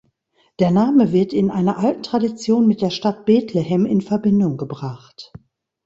Der Name wird in einer alten Tradition mit der Stadt Bethlehem in Verbindung gebracht.